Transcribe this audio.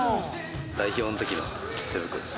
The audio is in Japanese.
代表のときの手袋です。